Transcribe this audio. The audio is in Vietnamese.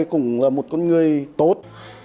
cháu là một con người tốt